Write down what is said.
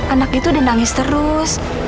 anak itu udah nangis terus